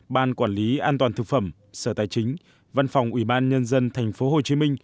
ban quản lý an toàn thực phẩm sở tài chính văn phòng ủy ban nhân dân tp hcm